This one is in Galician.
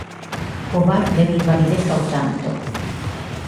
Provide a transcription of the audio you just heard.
O Var deulle validez ao tanto.